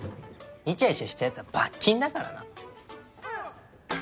イチャイチャしたヤツは罰金だからな。